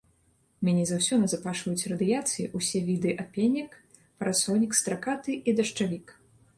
Меней за ўсё назапашваюць радыяцыі ўсе віды апенек, парасонік стракаты і дажджавік.